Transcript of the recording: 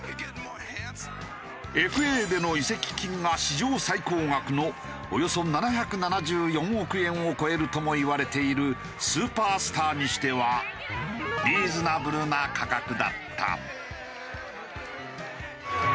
ＦＡでの移籍金が史上最高額のおよそ７７４億円を超えるともいわれているスーパースターにしてはリーズナブルな価格だった。